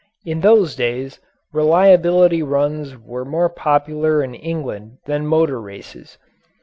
In those days reliability runs were more popular in England than motor races.